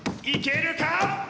いけるか？